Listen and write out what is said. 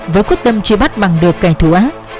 với quyết tâm truy bắt bằng được kẻ thù ác